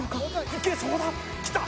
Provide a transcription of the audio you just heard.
いけそうだきた！